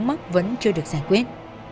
vấn mất vẫn chưa được giải quyết